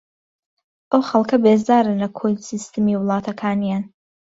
ئەو خەڵکە بێزارن لە کۆی سیستەمی وڵاتەکانیان